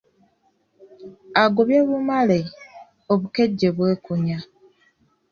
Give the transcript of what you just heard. Agobye bumale, obukejje bwekunya.